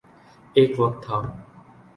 ایک وقت تھا۔